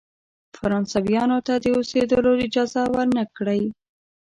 فرانسویانو ته د اوسېدلو اجازه ورنه کړی.